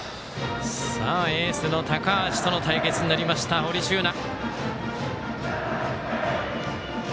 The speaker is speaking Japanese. エースの高橋との対戦になりました、堀柊那。